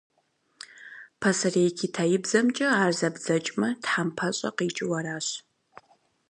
Пасэрей китаибзэмкӏэ ар зэбдзэкӏмэ, «тхьэмпэщӏэ» къикӏыу аращ.